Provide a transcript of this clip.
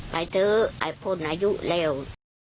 ไปเถอะไอ้พ่นอายุแล้ว